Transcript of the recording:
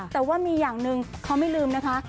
แต่ว่ามีอย่างหนึ่งเขาไม่ลืมนะคะ